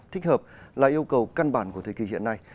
thích hợp là yêu cầu căn bản của thời kỳ hiện nay